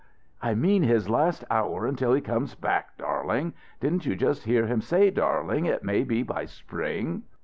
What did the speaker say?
"I mean his last hour until he comes back, darling. Didn't you just hear him say, darling, it may be by spring?"